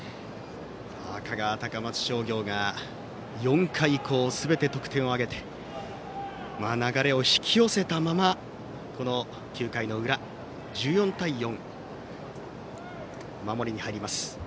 香川・高松商業が４回以降すべて得点を挙げて流れを引き寄せたまま、９回の裏１４対４、守りに入ります。